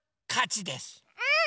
うん！